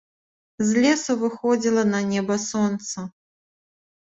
З лесу выходзіла на неба сонца.